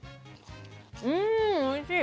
うんおいしい！